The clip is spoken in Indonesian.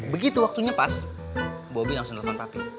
begitu waktunya pas bopi langsung telepon papi